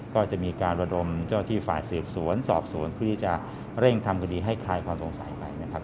ก็จะมีการระดมเจ้าที่ฝ่ายสืบสวนสอบสวนเพื่อที่จะเร่งทำคดีให้คลายความสงสัยไปนะครับ